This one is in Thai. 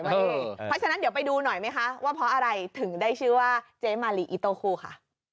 เพราะฉะนั้นเดี๋ยวไปดูหน่อยไหมคะว่าเพราะอะไรถึงได้ชื่อว่าเจ๊มาลีอิโต้คู่ค่ะ